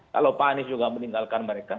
kalau pak anies juga meninggalkan mereka